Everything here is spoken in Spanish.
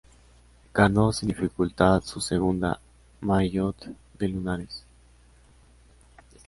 Ganó sin dificultad su segunda maillot de lunares.